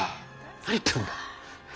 何言ってるんだ！